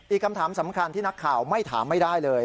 อีกคำถามสำคัญที่นักข่าวไม่ถามไม่ได้เลย